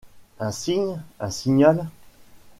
Un signe. .. un signal.